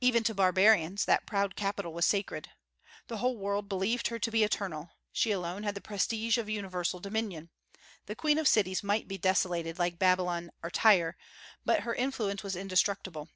Even to barbarians that proud capital was sacred. The whole world believed her to be eternal; she alone had the prestige of universal dominion. This queen of cities might be desolated like Babylon or Tyre, but her influence was indestructible.